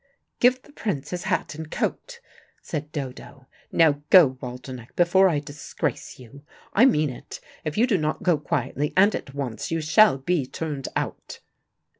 "Give the Prince his hat and coat," said Dodo. "Now go, Waldenech, before I disgrace you. I mean it: if you do not go quietly and at once, you shall be turned out."